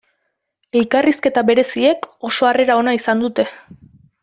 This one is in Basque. Elkarrizketa bereziek oso harrera ona izaten dute.